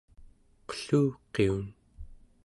qelluqiun